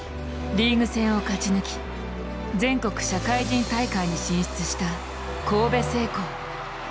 リーグ戦を勝ち抜き全国社会人大会に進出した神戸製鋼。